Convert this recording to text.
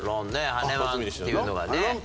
「ハネマゥ」っていうのがね。